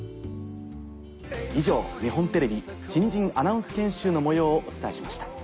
以上日本テレビ新人アナウンス研修の模様をお伝えしました。